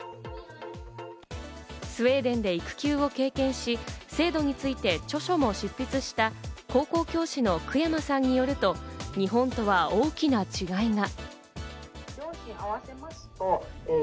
スウェーデンで育休を経験し、制度について著書も執筆した高校教師の久山さんによると、日本とは大きな違いが。